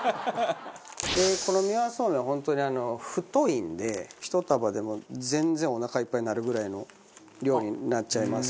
でこの三輪素麺は本当に太いので１束でも全然おなかいっぱいなるぐらいの量になっちゃいます。